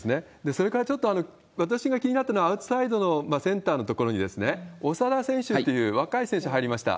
それから、ちょっと私が気になったのは、アウトサイドのセンターのところに、長田選手っていう若い選手入りました。